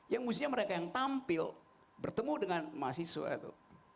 yang mestinya mereka yang tampil bertemu dengan mahasiswa itu